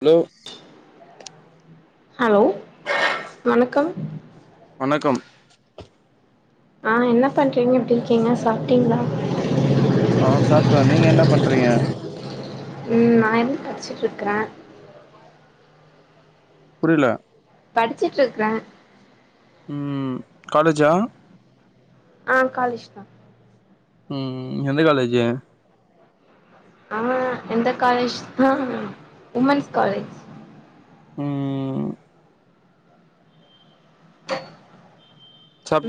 Hello hello வணக்கம் வணக்கம் ஆ என்ன பண்றீங்க எப்படி இருக்கீங்க சாப்டீங்களா ஆ சாப்ட நீங்க என்ன பண்றீங்க நான் எ படிச்சுட்ருக்கற புரியல படிச்சுட்ருக்கற ம் காலேஜா ஆ காலேஜ்தா ம் எந்த காலேஜு ஆ எந்த காலேஜ்னா உமன்ஸ் காலேஜ் ம்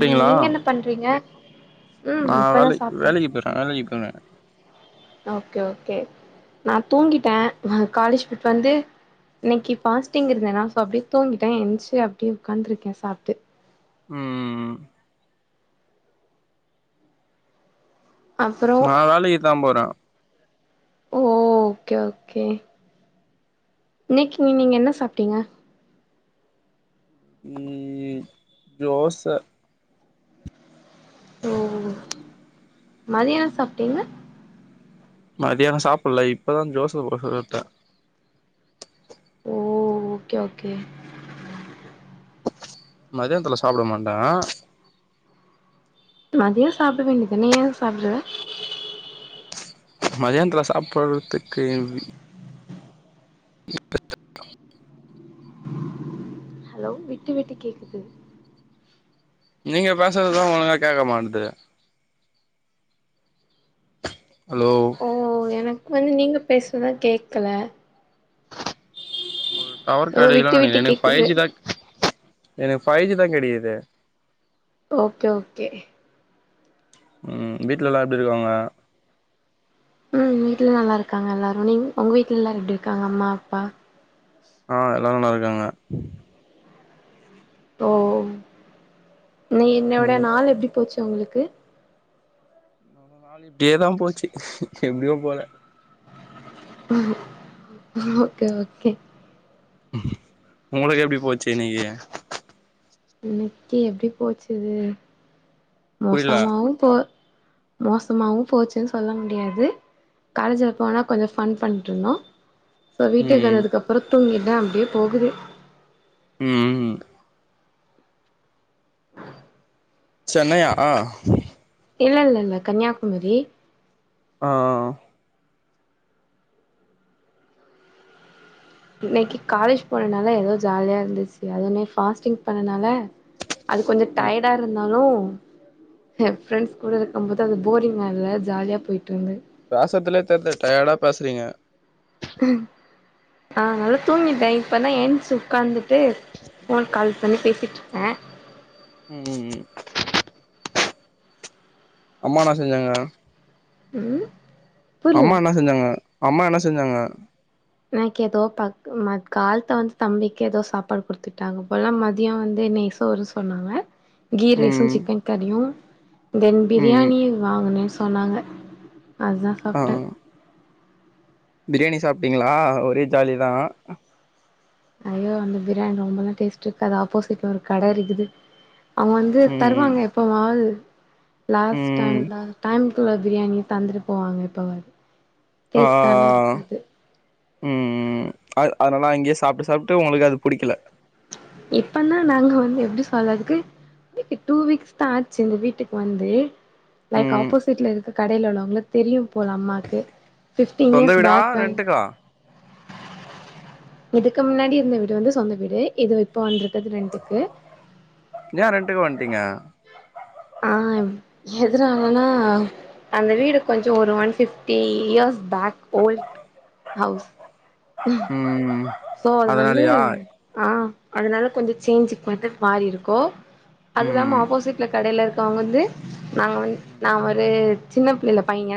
ம் நீங்க என்ன பண்றீங்க ம் ஆ இப்பதா வேலை சாப்ட்டே வேலைக்கு போற வேலைக்கு போற ஓகே ஓகே நா தூங்கிட்டே காலேஜ் போய்ட்டு வந்து இன்னைக்கு ஃபாஸ்டிங் இருந்தேனா சோ அப்டி தூங்கிட்டே என்ச்சு அப்டி உக்காந்துருக்கே சாப்ட்டு ம் அப்றோ நா வேலைக்குதா போற ஓ ஓகே ஓகே இன்னைக்கு நீங்க என்ன சாப்டீங்க ம் தோச ஓ மதியான சாப்டீங்களா மதியானோ சாப்பிட்ல இப்பதா ஜோச போட்டு எடுத்த ஓ ஓகே ஓகே மதியானத்துல சாப்ட மாட்ட மதியோ சாப்ட வேண்டியதானே ஏ சாப்டல மதியானத்துல சாப்டுறதுக்கு எ வீ [inaudible] ஹலோ விட்டு விட்டு கேக்குது நீங்க பேசறதுதா ஒழுங்க கேக்க மாட்டுது ஹலோ ஓ எனக்கு வந்து நீங்க பேசறதுதா கேக்கல உங்களுக்கு டவர் ஓ கெடைக்கல விட்டு நெனைக்கே விட்டு எனக்கு ஃபைவ் கேக்குது ஜி தா எனக்கு ஃபைவ் ஜி தா கெடைக்குது ஓகே ஓகே ம் வீட்லல்லா எப்டி இருக்காங்க ம் வீட்ல நல்லாருக்காங்க எல்லாரு நீ உங்க வீட்ல எல்லாரு எப்டி இருக்காங்க அம்மா அப்பா ஆ எல்லாரு நல்லா இருக்காங்க ஓ நீ இன்னியோட ம் நாள் எப்படி போச்சு உங்களுக்கு நாள் இப்படியே தா போச்சி எப்படியோ போல ம் ஓக்கே ஓக்கே உங்களுக்கு எப்படி போச்சி இன்னைக்கு இன்னைக்கு எப்படி போச்சுது புரில மோசமாவு போ மோசமாவு போச்சுன்னு சொல்ல முடியாது காலேஜ்ல போனா கொஞ்சு ஃபன் பண்ட்டு இருந்தோ சோ வீட்டுக்கு ம் வந்ததுக்கு அப்புற தூங்கிட்டே அப்டியே போகுது ம் சென்னையா இல்ல இல்ல இல்ல கன்னியாகுமரி ஆ இன்னைக்கி காலேஜ் போனனால ஏதோ ஜாலியா இருந்துச்சி அதுவுமே ஃபாஸ்டிங் பண்ணனால அது கொஞ்சு ம் டையர்டா இருந்தாலு எ ஃப்ரெண்ட்ஸ் கூட இருக்கும் போது அது போரிங்கா இல்ல ஜாலியா போயிட்டு இருந்த பேசத்துலயே தெரிதே டயர்டா பேசுறீங்க ம் ஆ நல்லா தூங்கிட்டே இப்பதா ஏந்துச்சு உக்காந்துட்டு போன் கால் பண்ணி பேசிட்டு இருக்கே ம் ம் ம் அம்மா என்னா செஞ்சாங்க ம் அம்மா புரில என்ன செஞ்சாங்க அம்மா என்ன செஞ்சாங்க எனக்கு ஏதோ ப ம கால்த்த வந்து தம்பிக்கு ஏதோ சாப்பாடு குடுத்துட்டாங்க போல மதியோ வந்து நெய் சோறு சொன்னாங்க கீ ரைஸு ம் சிக்கன் கறியு தென் ம் பிரியாணியு வாங்கனேன்னு சொன்னாங்க அதா ஆ சாப்பிட்டே பிரியாணி சாப்பிட்டீங்களா ஒரே ஜாலி தா ஐயோ அந்த பிரியாணி ரொம்பெல்லா டேஸ்ட் இருக்காது ஆப்போசிட்ல ஒரு கடை இருக்குது அவங்க வந்து ம் ம் தருவாங்க எப்பவாவது லாஸ்ட் ம் அந்த டைம் தூக்குள்ள பிரியாணி தந்துட்டு போவாங்க இப்ப வ ஆ உம் அ அதனால அங்கேயே சாப்பிட்டு சாப்பிட்டு உங்களுக்கு அது பிடிக்கல இப்பன்னா நாங்க வந்து எப்டி சொல்லதுக்கு டூ வீக்ஸ்தா ஆச்சு இந்த வீட்டுக்கு வந்து லைக் ம் ஆப்போசிட்ல இருக்க கடையில உள்ளவங்கள தெரியும் போல அம்மாக்கு ஃபிப்டீன் சொந்த இயர்ஸ் வீடா பேக் ப ரெண்ட்டுக்கா இதுக்கு முன்னாடி இருந்த வீடு வந்து சொந்த வீடு இது இப்போ வந்துருக்குது ரெண்டுக்கு ஏ ரென்ட்டுக்கு வண்டீங்க [inaudible] ஆ எதுனாலன்ன அந்த வீடு கொஞ்சு ஒரு one fifty years back old house um so அது வந்து ஆ அதனால கொஞ்சோ சேஞ்சுக்கு வந்து மாறி இருக்கோ அது இல்லாம ம் ஆப்போசிட்ல கடையல இருக்கவங்க வந்து நாங்க நா ஒரு சின்ன புள்ளைல பைங்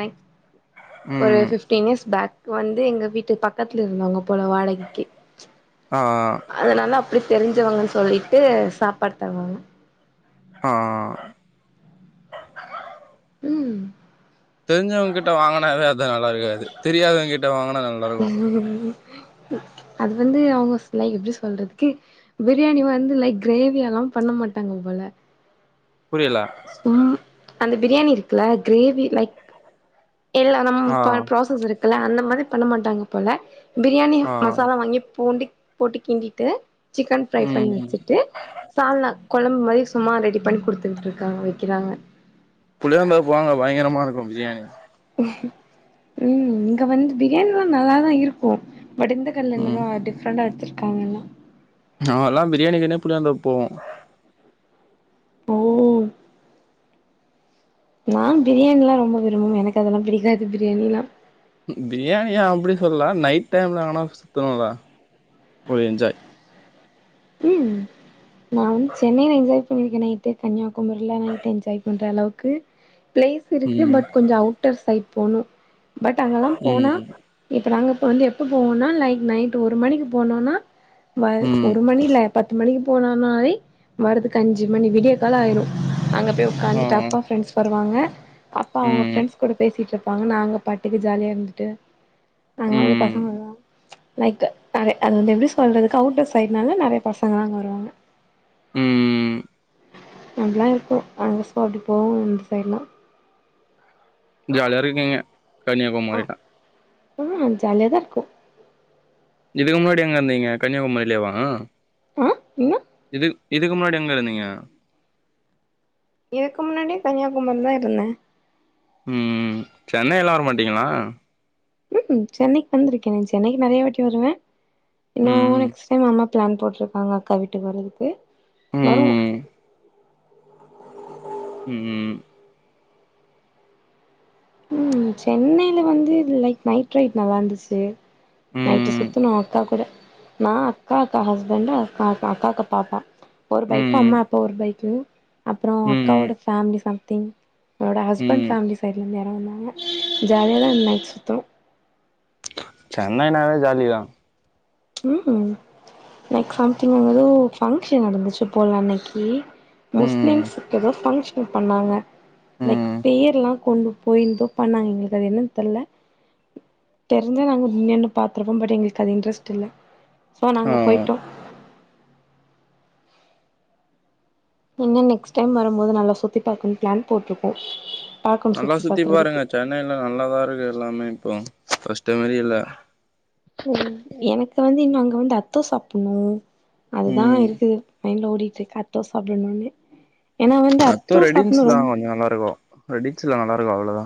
ஒரு ம் ஃப்வ்த் டென் இயர்ஸ் பேக் வந்து எங்க வீட்டு பக்கத்துல இருந்தவங்க போல வாட ஆ அதனால அப்டி தெரிஞ்சவங்கன்னு சொல்லிட்டு சாப்பாடு தருவாங்க ஆ ம் தெரிஞ்சவங்க கிட்ட வாங்கினாவே அது நல்லா இருக்காது தெரியாதவங்க கிட்ட வாங்கினா [unintelligible] அது வந்து அவுங்க ஸ்லை எப்டி சொல்றதுக்கு பிரியாணி வந்து லைக் கிரேவி எல்லாம் பண்ண மாட்டாங்க போல புரில சா அந்த பிரியாணி இருக்கல்ல கிரேவி லைக் எல்லா நம் ஆ ப்ராசஸ் இருக்கல்ல அந்த மாதிரி பண்ண மாட்டாங்க போல பிரியாணி ஆ மசாலா வாங்கி பூண்டு போட்டு கிண்டிட்டு சிக்கன் ஃப்ரை ம் பண்ணி ம் வெச்சுட்டு சால்னா கொழம்பு மாரி சும்மா ரெடி பண்ணி குடுத்து விட்டிருக்காங்க வெக்கிறாங்க புளியாம்பர போனா அங்க பயங்கரமா இருக்கு பிரியாணி ம் இங்க வந்து பிரியாணி எல்லா நல்லாதா இருக்கு பட் இந்த கடைல ம் என்னனா டிஃப்ரெண்ட்டா வெச்சிருக்காங்க எல்லா நா எல்லா பிரியாணிக்குனே புளியாந்தோப்பு போவோ ஓ நா பிரியாணியெல்லா ரொம்ப விரும்புமே எனக்கு அதெல்லாம் பிடிக்காது பிரியாணியெல்லா பிரியாணியா அப்டி சொல்லல நைட் டைம்ல ஆனா சுத்தணுல்ல ஒரு என்ஜாய் ம் நா வந்து சென்னைல என்ஜாய் பண்ணிருக்கேனே ட்டு கன்னியாகுமரில நைட் என்ஜாய் பண்ற அளவுக்கு பிளேஸ் இருக்கு ம் பட் கொஞ்சோ அவுட் டர் சைட் போணு பட் அங்கெல்லாம் போனா ம் இப்ப நாங்க வந்து எப்ப போவோனா லைக் நைட் ஒரு மணிக்கு போனோனா ம் ஒரு மணி இல்ல பத்து மணிக்கு போனோனாலே வர்றதுக்கு அஞ்சு மணி விடிய கால ஆயிரு அங்க போய் ஆ வந்துட்டு அப்பா ஃப்ரெண்ட்ஸ் வருவாங்க அப்பா அவுங்க ம் ஃப்ரெண்ட்ஸ் கூட பேசிட்டு இருப்பாங்க நாங்க பாட்டுக்கு ஜாலியா இருந்துட்டு நாங்க வந்து ம் பசங்கல்லா லைக் அது வந்து எப்டி சொல்றதுக்கு அவுடஸ் சைடுனால நெறய பசங்கள்ளா அங்க வருவாங்க ம் ம் அதெல்லா இருக்கு அந்த ஸ்பாட்டு போவோ இந்த சைடெல்லா ஜாலியா இருக்கீங்க கன்யாகுமாரில்லா ம் ஜாலியாதா இருக்கு இதுக்கு முன்னாடி எங்க இருந்தீங்க கன்யாகுமாரிலேவா அ என்ன இது இதுக்கு முன்னாடி எங்க இருந்தீங்க? இதுக்கு முன்னாடி கன்யாகுமரிலதா இருந்தன் ம் சென்னை எல்லா வரமாட்டீங்ளா ம் சென்னைக்கு வந்திருக்கேன் சென்னைக்கு நெறயா வாட்டி வருவன் இன்னு ம் நெக்ஸ்ட் டைம் அம்மா ப்ளான் போட்டிருக்காங்க அக்கா வீட்டுக்கு வர்றதுக்கு வருவோ ம் ம் ம் சென்னைல வந்து லைக் நைட் ரைடு நல்லா இருந்துச்சு நைட்டு ம் சுத்துனோ அக்கா கூட நா அக்கா அக்கா ஹஸ்பண்ட்டு அக்கா அக்காக்கு பாப்பா ஒரு பைக்கு ம் அம்மா அப்பா ஒரு பைக்கு அப்றோ ம் அக்காவோட ஃபேமிலி சம்திங் அவளோட ஹஸ்பண்ட் ம் ஃபேமிலி சைட்ல இருந்து யாரோ வந்தாங்க ஜாலியா தா நைட் சுத்தோ சென்னைனாவே ஜாலி தா ம்ம் நெக்ஸ்ட் சம்திங் எதோ பங்க்ஷன் நடந்துச்சு போல அன்னைக்கி ம் முஸ்லிம்ஸுக்கு எதோ பங்க்ஷன் பண்ணாங்க லைக் ம் பேரெல்லா கொண்டு போய்ந்து எதோ பண்ணாங்க எங்களுக்கு அது என்னன் தெர்ல தெரிஞ்சா நாங்க இன்னின்னு பாத்துருப்போ பட் எங்களுக்கு அது இன்ட்ரெஸ்ட் இல்ல சோ ஆ நாங்க போய்ட்டோ என்னன் நெக்ஸ்ட் டைம் வரும்போது நல்லா சுத்தி பாக்கணு ப்ளாக்ஷன் போட்ருக்கோ பாக்கனு நல்லா சுத்தி பாருங்க பாக்கறதுக்கு சென்னைல நல்லாதா இருக்கு எல்லாமே இப்போ ஃபஸ்ட மாரி இல்ல ஓ எனக்கு வந்து இன்னு அங்க வந்து அத்தோ சாப்புட்ணு அதுதா ம் இருக்கு மைண்ட்ல ஓடிட்டு இருக்க அத்தோ சாப்பிட்ணு ஏன்னா வந்து அத்தோ சாப்பிடும் ரொ நல்லாருக்கோ ர டீச்ல அழயிருக்கு அவ்ளோதா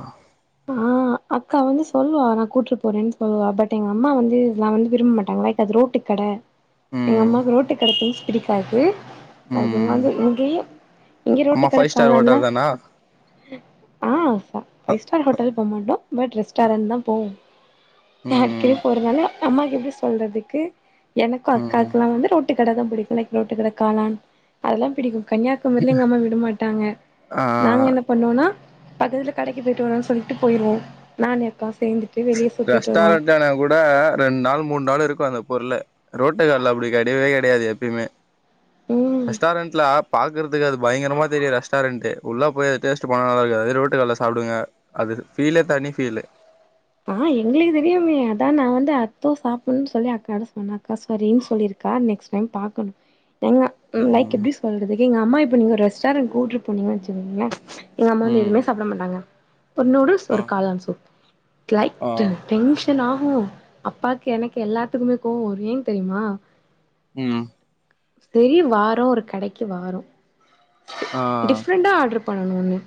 ஆ அக்கா வந்து சொல்லுவா நா கூட்டு போறேன் சொல்லுவா பட் எங்க அம்மா வந்து இதெல்ல விரும்ப மாட்டாங்க லைக் அது ரோட்டு கட எங்க ம் அம்மாக்கு ரோட்டு கட திங்க்ஸ் பிடிக்காது இங்க ம் வந்து இங்கையு இங்க ரோட்டு கட காளான்ல ஆ பைவ் ஸ்டார்ஹோட்டல் போ மாட்டோம் பட் ரெஸ்டாரன்ட் தா போவோ அடிக்கடி போறனால அம்மாக்கு எப்டி சொல்றதுக்கு எனக்கு அக்காக்கு வந்து டு கட தா பிடிக்கும் ரோட்டு கட காளான் அதெல்லா பிடிக்கு கன்னியாகுமரியில எங்க அம்மா விடமாட்டாங்க ஆ நாங்க என்ன பண்ணோனா பக்கத்துல கடைக்கு பே னு சொல்ட்டு போய்ருவோ நான் அக்கா சேந்து ரெஸ்டாரென்ட் ஆனா கூட ரெண் நாள் மூண் நாள் இருக்கு அந்த பொருளே ரோட்டுக்கடைல அப்டி கெடையவே கெடையாது எப்பயுமே ம் ரெஸ்டாரண்ட்ல அப் பாக்கற்துக்கு அது பயங்கரமா தெரியு ரெஸ்டாரெண்ட்டு உள்ள போய் டேஸ்ட்டு பன்னதா இருக்குது அதே ரோட்டு கடைல சாப்டுங்க அது ஃபீலே தனி ஃபீலு ஆ எங்ளுக்கு தெரியுமே அதா நா வந்து அத்தோ சாப்பிட்னு சொல்லி அக்காட்ட சொன்ன அக்கா சுரின்னு சொல்லிருக் கா நெக்ஸ்ட் டைம் பாக்கணு எங்க லைக் ம் எப்டி சொல்றதுக்கு எங்க அம்மா இப்ப நீங்க ஒரு ரெஸ்டாரண்ட் கூட்டு போனீங்க வச்சிக்கங்கள எங்க அம்மா வந்து ம் எதுமே சாப்ட மாட்டாங்க ஒரு நூடுல்ஸ் ஆ ஒரு காளான் சூப் இட் லைக் ஆ டென்ஷன் ஆகு அப்பாக்கு எனக்கு எல்லாத்துக்குமே கோவோ வரு ஏன் தெரிமா ம் சேரி வாரோ ஒரு கடைக்கி வாரோ ஆ டிஃப்ரெண்டா ஆடர் பண்ணணுங்க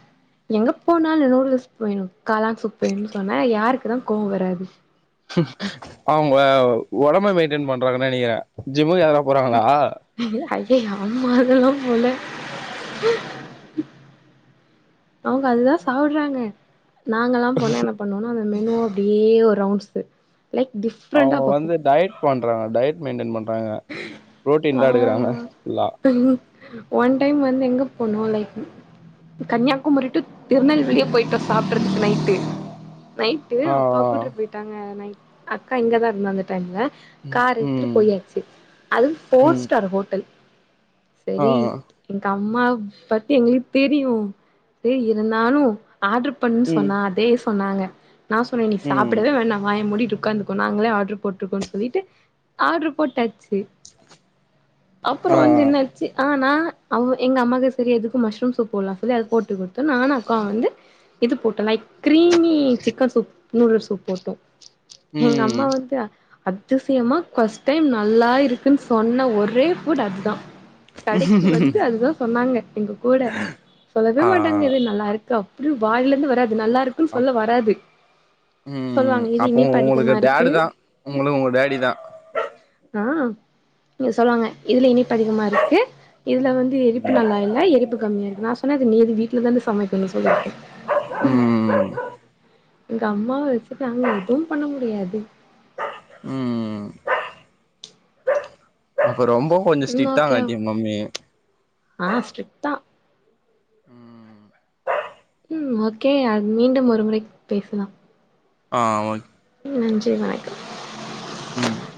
எங்க போனாலு நூடுல்ஸ் வேணு காளான் சூப் வேணு சொன்னா யாருக்கு தா கோவோ வராது அவங்க ஒடம்ப மெய்ன்டெய்ன் பண்றாங்கன்னு நினைக்கிற ஜிம்முக்கு எதுனா போறாங்களா என்னது அய்யய்ய அம்மா அதெல்லா போல அவங்க அதுதா சாப்டுறாங்க நாங்கல்லா போனா என்ன பண்ணுவோனா அந்த மெனுவ அப்டியே ஒரு ரவுண்ட்ஸ் போய் லைக் டிஃப்ரெண்ட்டா அவங்க பாப்போ வந்து டயட் பண்றாங்க டயட் மெய்ன்டென் பண்றாங்க ப்ரோட்டீன் தா எடுக்கறாங்க ஃபுல்லா ம் ஒன் டைம் வந்து எங்க போனோ லைக் கன்னியாகுமரி ட்டு திருநெல்வேலியே போய்ட்டோ சாப்ட்டுறதுக்கு நைட்டு நைட் ட்டு ஆ அப்பா கூட்று போயிட்டாங்க நைட் அக்கா இங்கதா இருந்தா அந்த டைம்ல ம் கார் எடுத்துட்டு ம் போய ச்சி அது ஃபோர் ம் ஸ்டார் ஹோட்டல் ஆ சரி எங்க அம்மா பத்தி எங்களுக்கு தெரியு சரி இருந்தாலு ஆட்ரு பண்ணுன்னு ம் சொன்னா அதே சொன்னாங்க நா சொன்னே நீ ம் சாப்பிடவே வேணா மா வாய மூடிட்டு ஒக்காந்து நாங்களே ஆட்ரு போட்டுக்குறோ சொல்லிட்டு ஆர்டரு போட்டாச்சி ஆ அப்புறம் வந்து என்னாச்சி ஆ நா அவுக்கோ எங்க அம்மாக்கு சரி எதுக்கு மஷ்ரூம் சூப் போட்லா சொல்லி அது போட்டு குடுத்தோ நானு அக்காவு வந்து இது photo like creamy chicken soup noodle soup photo எங்க ம் அம்மா வந்து அதிசயமா கஷ் ஃபர்ஸ்ட் டைம் நல்லா இருக்குன்னு சொன்ன ஒரே ஃபுட் அதுதா கடைக்கு வந்து அதுதா சொன்னாங்க எங்க கூட சொல்லவே ஆ மாட்டாங்க இது நல்லா இருக் அதுக்கு அபடி வாயில இருந்து வராது நல்லா இருக் குன்னு அப் சொல்ல வராது ம் சொல்லுவாங்க இது அப்போ இனிப்பு உங்களுக்கு அதிகமா இருக்கு டேடு தா உங்களுக்கு உங்க டேடி தா ஆ நீ சொல்லுவாங்க இதுல இனிப்பு அதிகமா இருக்கு இதுல வந்து இது இனிப்பு நல்லா இல்ல இனிப்பு கம்மியா இருக்கு நா சொன்னே நீ அது வீட்டுலதானே சமைப்பே நீ சொல்லியிருக்கே ம் எங்க அம்மாவ வெச்சுட்டு நாங்க எதுவு பண்ண முடியாது ம் அப்ப ரொம்ப கொஞ்ச ம் ஓகே ஸ்ட்ரிக்டாங்காட்டி உங் மம்மி ஆ ஸ்ட்ரீட் தா ம் ம் ஓகே அது மீண்டும் ஒரு முறை பேசலாம் ஆ ஓகே நன்றி வணக்கம் ம்